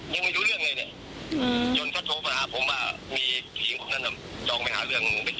น้องก็ลงมายินหลอก่อนล่างเพื่อให้คนหลังนะเดินขึ้นจุดหลวกแล้วก็ไปนั่งได้